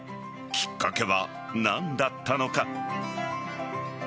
きっかけは何だったのか。